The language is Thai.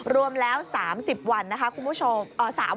รวมแล้ว๓๐วันนะคะคุณผู้ชม